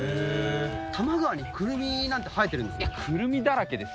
多摩川にクルミなんて生えてるんですね。